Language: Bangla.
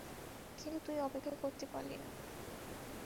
কিন্তু তুই অপেক্ষা করতে পারলি না।